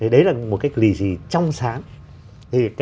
đấy là một cái lì xì trong sáng